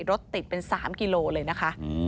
รถติดเป็น๓กิโลเลยนะคะ